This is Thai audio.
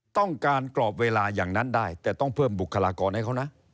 ต้องการกรอบเวลาอย่างนั้นได้แต่ต้องเพิ่มบุคลากรให้เขานะ